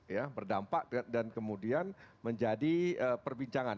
ya berdampak dan kemudian menjadi perbincangan